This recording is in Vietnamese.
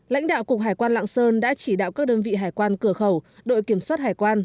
lãnh đạo cục hải quan lạng sơn đã chỉ đạo các đơn vị hải quan cửa khẩu đội kiểm soát hải quan